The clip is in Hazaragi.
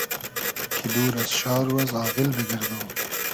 کی دور از شار و از آغیل بیگئردوم